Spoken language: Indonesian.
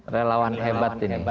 relawan hebat ini